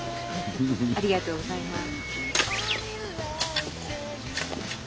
ありがとうございます。